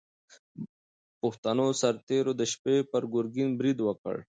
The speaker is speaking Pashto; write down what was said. پښتنو سرتېرو د شپې پر ګورګین برید وکړ.